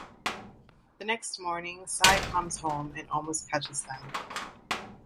The next morning, Cy comes home and almost catches them.